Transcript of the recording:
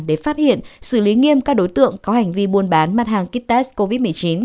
để phát hiện xử lý nghiêm các đối tượng có hành vi buôn bán mặt hàng kites covid một mươi chín